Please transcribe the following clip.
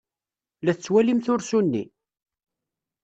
La tettwalimt ursu-nni?